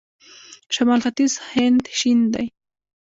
شمال ختیځ هند شین دی.